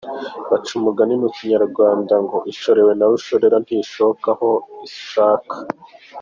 Baca umugani mu kinyarwanda ngo « ishorewe na rushorera ntishoka aho ishaka ».